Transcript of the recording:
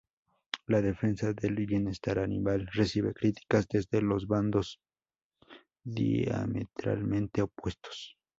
La defensa del bienestar animal recibe críticas desde dos bandos diametralmente opuestos.